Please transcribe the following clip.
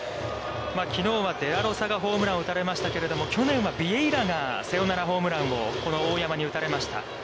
きのうはデラロサがホームランを打たれましたけれども、去年はビエイラがサヨナラホームランを、この大山に打たれました。